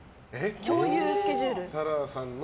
共有スケジュール。